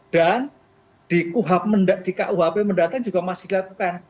dan di kuhp mendatang juga masih dilakukan